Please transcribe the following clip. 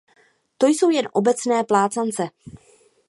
To jsou jen obecné plácance.